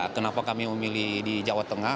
kenapa kami memilih di jawa tengah